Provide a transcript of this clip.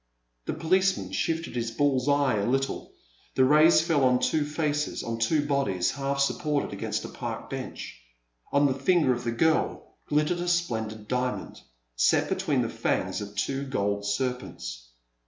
'* The policeman shifted his bull's eye a little; the rays fell on two faces, on two bodies, half sup ported against a park bench. On the finger of the girl glittered a splendid diamond, set between the fangs of two gold serpents.